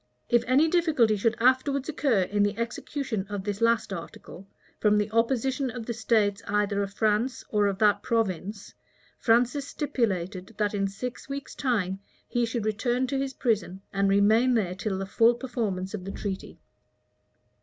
If any difficulty should afterwards occur in the execution of this last article, from the opposition of the states either of France or of that province, Francis stipulated, that in six weeks' time, he should return to his prison, and remain there till the full performance of the treaty.